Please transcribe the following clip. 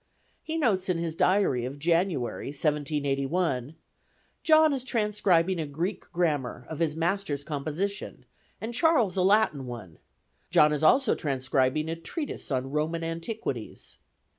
He notes in his diary of January, 1781, "John is transcribing a Greek Grammar ... of his master's composition, and Charles a Latin one; John is also transcribing a treatise on Roman antiquities.